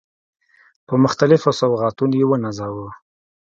په مختلفو سوغاتونو يې ونازاوه.